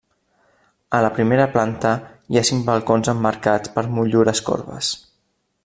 A la primera planta hi ha cinc balcons emmarcats per motllures corbes.